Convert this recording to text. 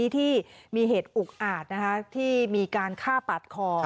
ที่มีเหตุอุกอาจที่มีการฆ่าปาดคอ